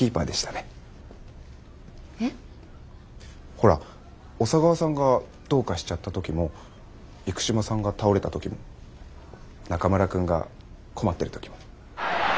ほら小佐川さんがどうかしちゃった時も生島さんが倒れた時も中村くんが困ってる時も。